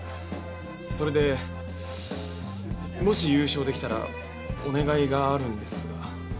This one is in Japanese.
それでもし優勝できたらお願いがあるんですが。